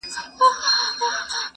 شپه او ورځ یې پر خپل ځان باندي یوه کړه،